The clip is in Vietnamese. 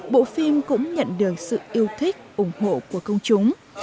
bộ phim cũng nhận được sự yêu thích ủng hộ của công chúng